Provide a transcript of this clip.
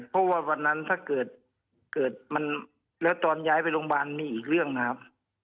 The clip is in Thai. เพราะว่าวันนั้นถ้าเกิดเกิดมันแล้วตอนย้ายไปโรงพยาบาลมีอีกเรื่องนะครับ